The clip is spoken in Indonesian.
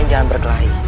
kamu tidak harus bergerak